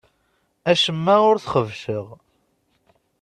Acemma ur t-xebbceɣ.